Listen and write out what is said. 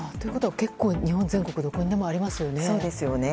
結構、日本全国どこにでもありますよね。